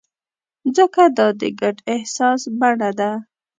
ځکه دا د ګډ احساس بڼه ده.